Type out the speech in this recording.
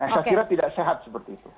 saya kira tidak sehat seperti itu